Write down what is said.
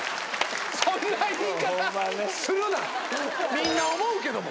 みんな思うけども。